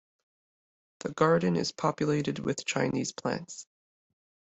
The garden is populated with Chinese plants.